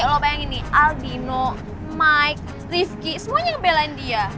lo bayangin nih adino mike rivki semuanya ngebelain dia